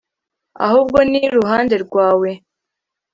ahubwo ni ruhande rwawe